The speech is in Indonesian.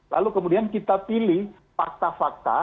lalu kemudian kita pilih fakta fakta